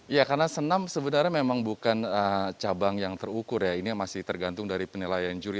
ya karena senam sebenarnya memang bukan cabang yang terukur ya ini masih tergantung dari penilaian juri